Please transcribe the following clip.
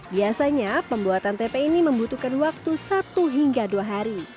biasanya pembuatan tempe ini membutuhkan waktu satu hingga dua hari